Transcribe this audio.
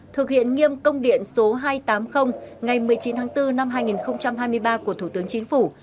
thực hiện nghiêm công điện số hai trăm tám mươi ngày một mươi chín tháng bốn năm hai nghìn hai mươi ba của thủ tướng chính phủ